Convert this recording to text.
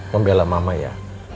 membela mama ya